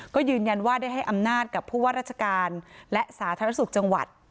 ก็ยืนยันว่าได้ให้อำนาจกับผู้ว่าราชการและสาธารณสุขจังหวัด